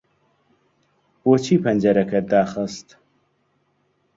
بۆچی پەنجەرەکەت داخست؟